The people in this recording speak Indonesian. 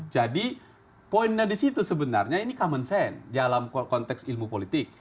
jadi poinnya di situ sebenarnya ini common sense dalam konteks ilmu politik